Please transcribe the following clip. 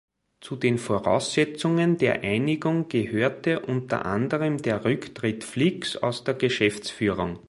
Zu den Voraussetzungen der Einigung gehörte unter anderem der Rücktritt Flicks aus der Geschäftsführung.